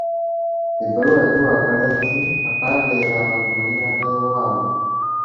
Ebbaluwa yagiwa akalenzi akaabeeranga ku muliraano ewaabwe.